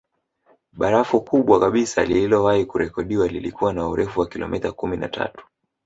Barafu kubwa kabisa lililowahi kurekodiwa lilikuwa na urefu wa kilometa kumi na tatu